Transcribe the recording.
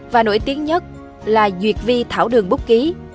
và nổi tiếng nhất là duyệt vi thảo đường búc ký